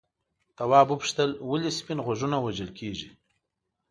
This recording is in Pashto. تواب وپوښتل ولې سپین غوږونه وژل کیږي.